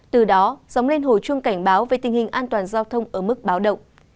từ đó dóng lên hồi chuông cảnh báo về tình hình an toàn giao thông ở mức báo động